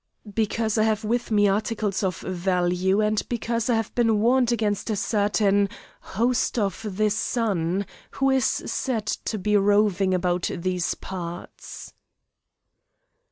"Because I have with me articles of value, and because I have been warned against a certain 'Host of the Sun,' who is said to be roving about these parts."